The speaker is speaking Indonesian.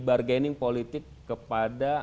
bargaining politik kepada